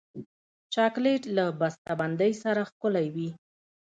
چاکلېټ له بسته بندۍ سره ښکلی وي.